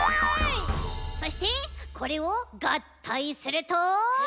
そしてこれをがったいすると。